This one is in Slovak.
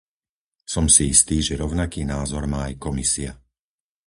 Som si istý, že rovnaký názor má aj Komisia.